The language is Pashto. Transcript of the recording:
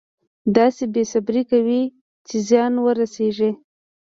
داسې بې صبري کوي چې زیان ورسېږي.